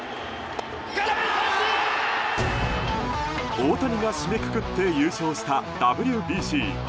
大谷が締めくくって優勝したＷＢＣ。